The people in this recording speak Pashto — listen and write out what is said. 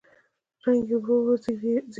رنګ يې ورو ورو زېړېده.